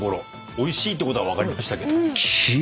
おいしいってことは分かりましたけど。